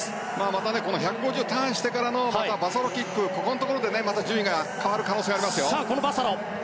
また１５０をターンしてからのバサロキックのところで順位が変わる可能性もあります。